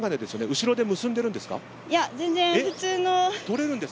後ろで結んでいるんですか。